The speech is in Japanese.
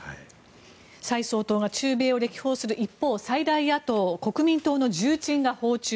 蔡総統が中米を歴訪する一方最大野党・国民党の重鎮が訪中。